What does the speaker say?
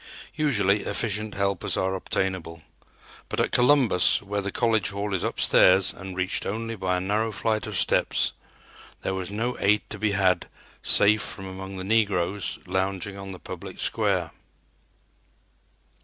Usually efficient helpers are obtainable, but at Columbus, where the college hall is upstairs and reached only by a narrow flight of steps, there was no aid to be had save from among the negroes lounging on the public square.